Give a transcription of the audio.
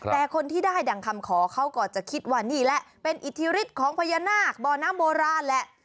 แต่คนที่ได้ดังคำขอเขาก็จะคิดว่านี่แหละเป็นอิทธิฤทธิ์ของพญานาคบ่อน้ำโบราณแหละ